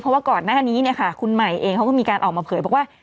เพราะว่าก่อนหน้านี้เนี่ยค่ะคุณใหม่เองเขาก็มีการออกมาเผยบอกว่า